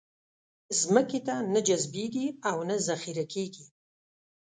ځمکې ته نه جذبېږي او نه ذخېره کېږي.